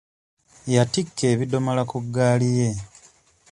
Yattikka ebiddomola ku ggaali ye.